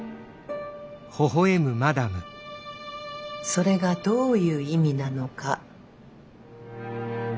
それがどういう意味なのか分かってる？